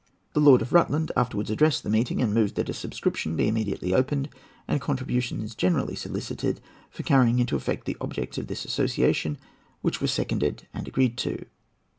The Duke of Rutland afterwards addressed the meeting, and moved that a subscription be immediately opened, and contributions generally solicited for carrying into effect the objects of this association; which was seconded, and agreed to.